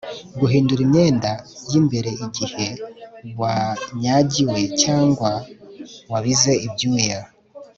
guhindura imyenda y'imbere igihe wanyagiwe cyangwa wabize ibyuya